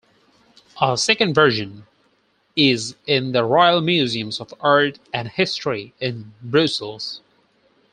A second version is in the Royal Museums of Art and History in Brussels.